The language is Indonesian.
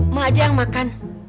mak aja yang makan